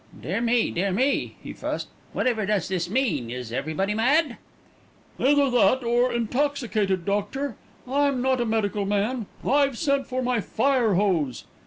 "Dear me, dear me!" he fussed. "Whatever does this mean? Is everybody mad?" "Either that or intoxicated, doctor. I'm not a medical man. I've sent for my fire hose."